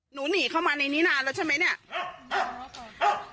หนูหนีเข้ามาในนี่นานแล้วใช่ไหม